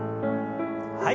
はい。